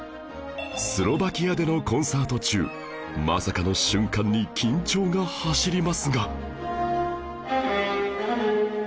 スロバキアでのコンサート中まさかの瞬間に緊張が走りますが